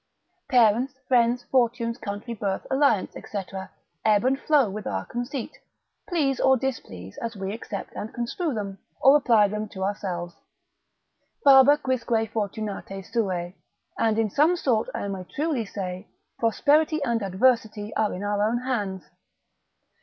Parents, friends, fortunes, country, birth, alliance, &c., ebb and flow with our conceit; please or displease, as we accept and construe them, or apply them to ourselves. Faber quisque fortunae suae, and in some sort I may truly say, prosperity and adversity are in our own hands.